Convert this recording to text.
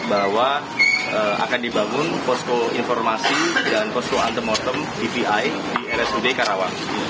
bahwa akan dibangun posko informasi dan posko antemortem dvi di rsud karawang